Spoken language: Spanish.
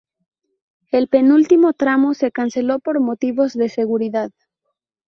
El penúltimo tramo se canceló por motivos de seguridad.